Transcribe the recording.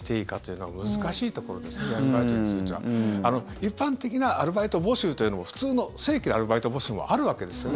一般的なアルバイト募集というのも普通の正規のアルバイト募集もあるわけですよね。